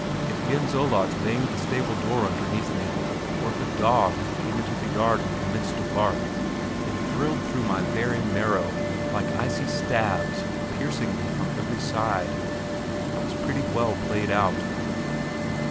If Jens Olaj banged the stable door underneath me, or if a dog came into the yard and commenced to bark, it thrilled through my very marrow like icy stabs piercing me from every side. I was pretty well played out.